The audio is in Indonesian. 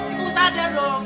ibu sadar dong